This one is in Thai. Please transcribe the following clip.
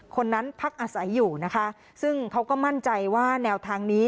คนนั้นพักอาศัยอยู่นะคะซึ่งเขาก็มั่นใจว่าแนวทางนี้